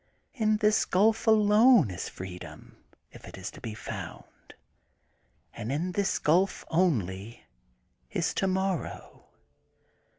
In this gulf alone is freedom, if it is to be found, and in this gulf only, is to morrow.